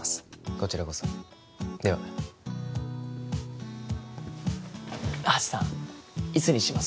こちらこそではハチさんいつにします？